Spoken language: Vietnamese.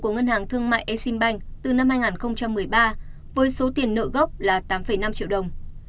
của ngân hàng thương mại exim bank từ năm hai nghìn một mươi ba với số tiền nợ gốc là tám năm triệu đồng